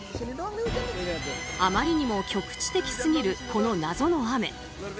あまりにも局地的すぎるこの謎の雨。